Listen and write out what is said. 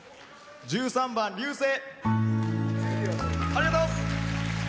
１３番「流星」。